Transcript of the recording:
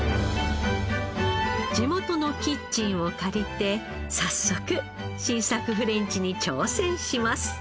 地元のキッチンを借りて早速新作フレンチに挑戦します。